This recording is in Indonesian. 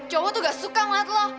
cowok tuh gak suka ngeliat lo